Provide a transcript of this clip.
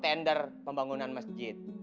belom tender pembangunan masjid